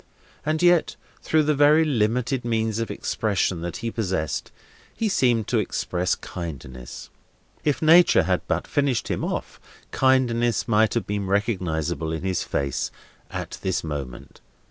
And yet, through the very limited means of expression that he possessed, he seemed to express kindness. If Nature had but finished him off, kindness might have been recognisable in his face at this moment.